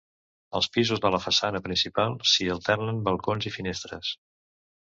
Als pisos de la façana principal s'hi alternen balcons i finestres.